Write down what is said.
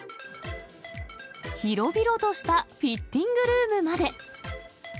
広々としたフィッティングルームまで。